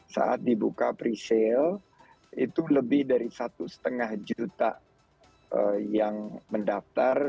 saat dibuka pre sale itu lebih dari satu lima juta yang mendaftar